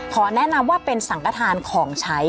ขอแนะนำว่าเป็นสังกฐานของใช้